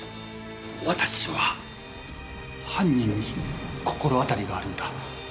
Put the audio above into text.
私は犯人に心当たりがあるんだ。